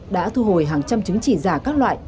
đã thu hồi hàng trăm chứng chỉ giả các loại